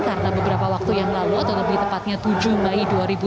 karena beberapa waktu yang lalu atau lebih tepatnya tujuh mei dua ribu dua puluh satu